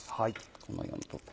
このように。